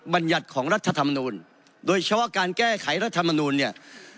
บรรยัติของรัฐธรรมนูลโดยเฉพาะการแก้ไขรัฐมนูลเนี่ย